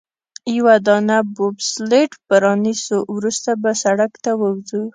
یوه دانه بوبسلیډ به رانیسو، وروسته به سړک ته ووځو.